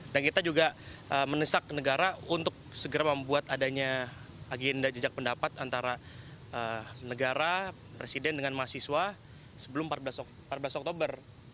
dan kita juga menesak negara untuk segera membuat adanya agenda jejak pendapat antara negara presiden dengan mahasiswa sebelum empat belas oktober